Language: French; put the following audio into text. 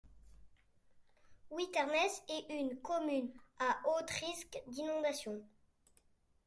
Witternesse est une commune à haut risque d'inondation.